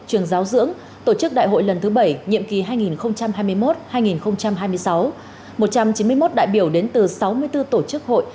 trường giáo dưỡng tổ chức đại hội lần thứ bảy nhiệm kỳ hai nghìn hai mươi một hai nghìn hai mươi sáu một trăm chín mươi một đại biểu đến từ sáu mươi bốn tổ chức hội